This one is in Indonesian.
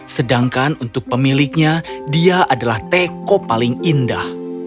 sedangkan untuk pemiliknya dia adalah teko paling indah